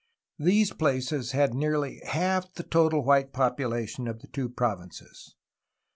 These places had nearly half the total white population of the two provinces.